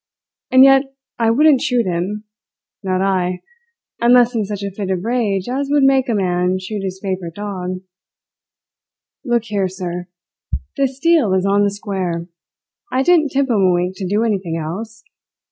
And yet I wouldn't shoot him not I, unless in such a fit of rage as would make a man shoot his favourite dog. Look here, sir! This deal is on the square. I didn't tip him a wink to do anything else.